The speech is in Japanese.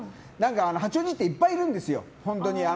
八王子っていっぱいいるんですよ。